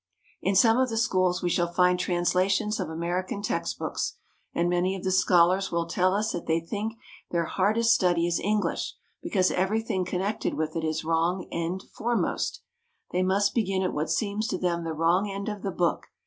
In some of the schools we shall find translations of American textbooks, and many of the scholars will tell us that they think their hardest study is EngHsh, because every thing connected with it is wrong end foremost. They must begin at what seems to them the wrong end of the book.